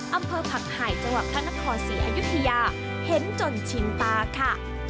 อำเภอผักไห่จังหวัดพระนครศรีอยุธยาเห็นจนชินตาค่ะ